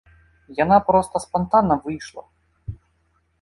Яна проста спантанна выйшла.